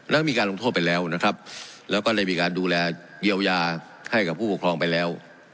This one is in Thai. แล้วก็มีการลงโทษไปแล้วนะครับแล้วก็เลยมีการดูแลเยียวยาให้กับผู้ปกครองไปแล้ว